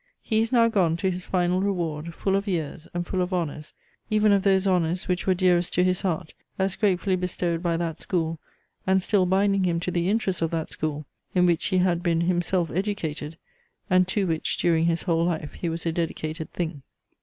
He is now gone to his final reward, full of years, and full of honours, even of those honours, which were dearest to his heart, as gratefully bestowed by that school, and still binding him to the interests of that school, in which he had been himself educated, and to which during his whole life he was a dedicated thing.